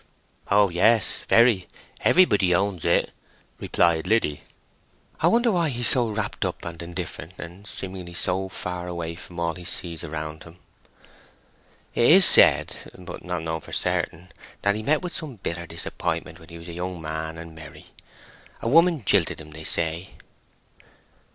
"O yes, very. Everybody owns it," replied Liddy. "I wonder why he is so wrapt up and indifferent, and seemingly so far away from all he sees around him." "It is said—but not known for certain—that he met with some bitter disappointment when he was a young man and merry. A woman jilted him, they say."